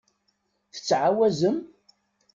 Tettɛawazem?